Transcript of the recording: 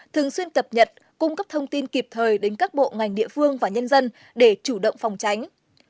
thường xuyên cập nhật cung cấp thông tin kịp thời đến các bộ ngành địa phương và nhân dân để chủ động phòng tránh